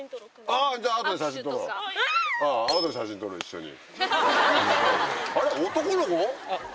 後で写真撮ろう一緒に。